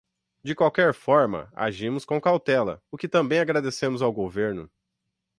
De qualquer forma, agimos com cautela, o que também agradecemos ao governo.